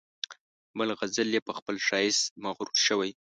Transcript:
بل غزل یې په خپل ښایست مغرور شوی.